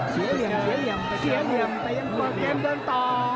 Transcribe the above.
เสียเหลี่ยมแต่ยังเปิดเกมเดินต่อ